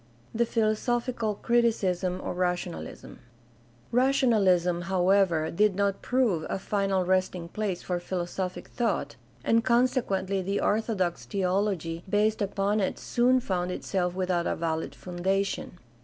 The philosophical criticism of rationalism. — Rationalism, however, did not prove a final resting place for philosophic thought, and consequently the orthodox theology based upon it soon found itself without a valid foundation.